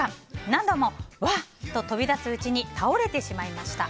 何度もワー！と飛び出すうちに倒れてしまいました。